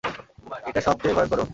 এটা সবচেয়ে ভয়ংকরও।